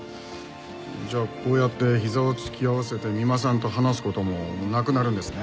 じゃあこうやってひざを突き合わせて三馬さんと話す事もなくなるんですね。